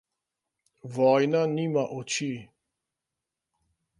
Vojna nima oči.